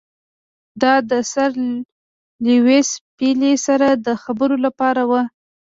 دا د سر لیویس پیلي سره د خبرو لپاره وو.